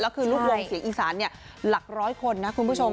แล้วคือลูกวงเสียงอีสานหลักร้อยคนนะคุณผู้ชม